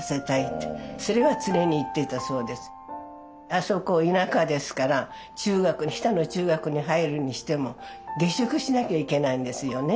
あそこ田舎ですから中学に日田の中学に入るにしても下宿しなきゃいけないんですよね。